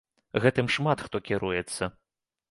Гэтым шмат хто кіруецца.